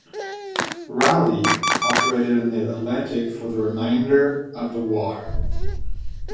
"Raleigh" operated in the Atlantic for the remainder of the war.